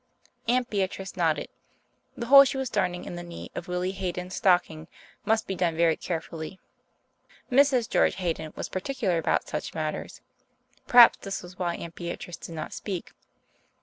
Aunt Beatrice nodded. The hole she was darning in the knee of Willie Hayden's stocking must be done very carefully. Mrs. George Hayden was particular about such matters. Perhaps this was why Aunt Beatrice did not speak.